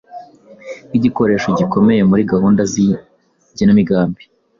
nk’igikoresho gikomeye muri gahunda z’igenamigambi